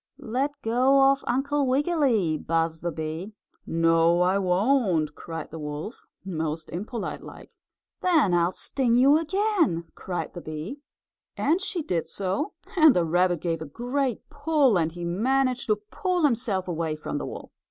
"Let go of Uncle Wiggily!" buzzed the bee. "No I won't!" cried the wolf, most impolite like. "Then I'll sting you again!" cried the bee, and she did so, and the rabbit gave a great pull, and he managed to pull himself away from the wolf.